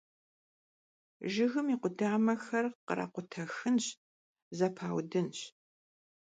Jjıgım yi khudamexer khrakhutexınş, zepaudınş.